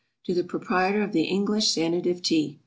To the Proprietor of the ENGLISH SANATIVE TEA.